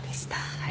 はい。